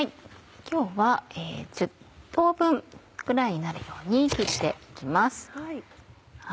今日は１０等分ぐらいになるように切って行きます。